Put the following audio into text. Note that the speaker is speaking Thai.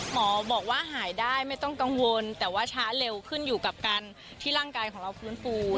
หมอบอกว่าหายได้ไม่ต้องกังวลแต่ว่าช้าเร็วขึ้นอยู่กับการที่ร่างกายของเราฟื้นฟู